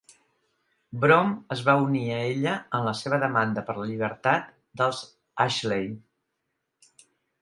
Brom es va unir a ella en la seva demanda per la llibertat dels Ashley.